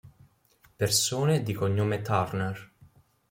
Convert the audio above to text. Persone di cognome Turner